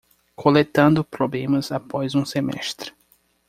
Coletando problemas após um semestre